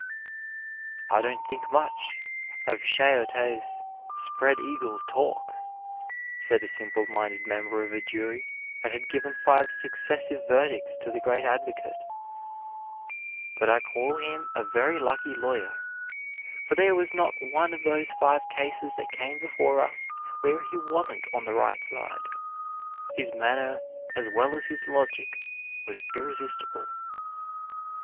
"I don't think much of Choate's spread eagle talk," said a simple minded member of a jury that had given five successive verdicts to the great advocate; "but I call him a very lucky lawyer, for there was not one of those five cases that came before us where he wasn't on the right side." His manner as well as his logic was irresistible.